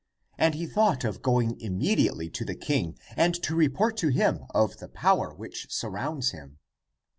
And he thought of going immediately to the king and to re port to him of the power which surrounds him.